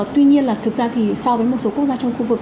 tuy nhiên là thực ra thì so với một số quốc gia trong khu vực